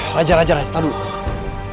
rajar rajar ayo kita dulu